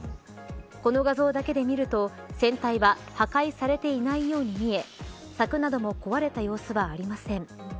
この画像だけで見ると船体は破壊されていないように見え策なども壊れた様子はありません。